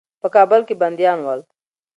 په کابل کې بندیان ول.